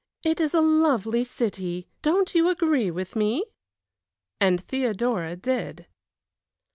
It is a lovely city; don't you agree with me?" And Theodora did.